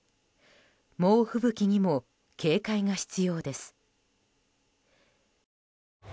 猛吹雪にも警戒が必要です。